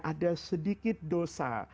ada sedikit dosa